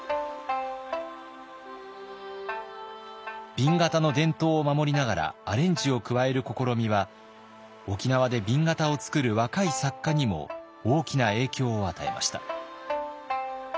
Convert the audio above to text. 紅型の伝統を守りながらアレンジを加える試みは沖縄で紅型を作る若い作家にも大きな影響を与えました。